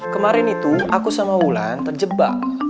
kemarin itu aku sama wulan terjebak